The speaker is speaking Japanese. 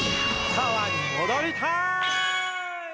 川にもどりたい！